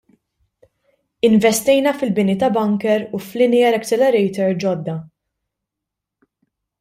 Investejna fil-bini ta' bunker u f'linear accelerator ġodda.